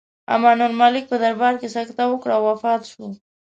امان الملک په دربار کې سکته وکړه او وفات شو.